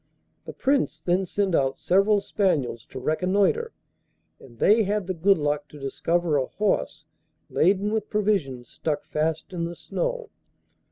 The Prince then sent out several spaniels to reconnoitre, and they had the good luck to discover a horse laden with provisions stuck fast in the snow.